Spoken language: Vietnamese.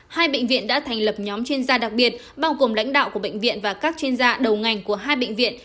hai bệnh viện đã thành lập nhóm chuyên gia đặc biệt bao gồm lãnh đạo của bệnh viện và các chuyên gia đầu ngành của hai bệnh viện